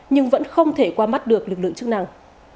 nhưng vẫn không thể qua mắt được lực lượng chức năng